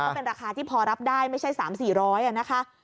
ก็เป็นราคาที่พอรับได้ไม่ใช่๓๐๐๔๐๐บาทอะนะคะ